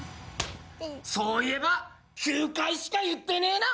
そういえば９回しか言ってねえな！